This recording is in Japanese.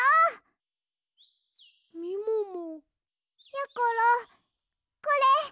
やころこれ。